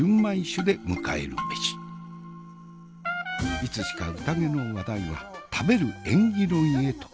いつしか宴の話題は食べる演技論へと。